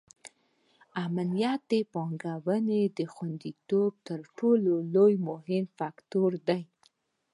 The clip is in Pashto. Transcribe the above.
امنیت د پانګونې د خونديتوب تر ټولو مهم فکتور دی.